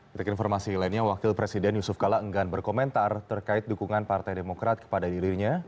ketika informasi lainnya wakil presiden yusuf kala enggan berkomentar terkait dukungan partai demokrat kepada dirinya